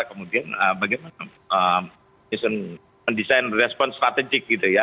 kemudian bagaimana mendesain respon strategik gitu ya